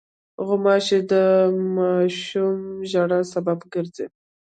غوماشې د ماشومو ژړا سبب ګرځي.